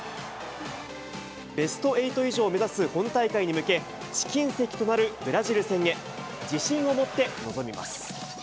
ベストエイト以上を目指す本大会に向け、試金石となるブラジル戦へ、自信を持って臨みます。